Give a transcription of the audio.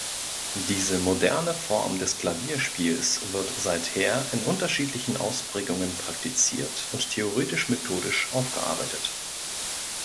Diese „moderne“ Form des Klavierspiels wird seither in unterschiedlichen Ausprägungen praktiziert und theoretisch-methodisch aufgearbeitet.